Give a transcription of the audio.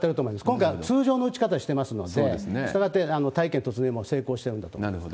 今回、通常の打ち方してますので、したがって大気圏突入も成功してるんだと思います。